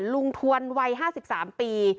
ลุงทวนวัย๕๓ปี